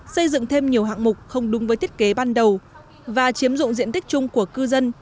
xây dựng thêm nhiều hạng mục không đúng với thiết kế ban đầu và chiếm dụng diện tích chung của cư dân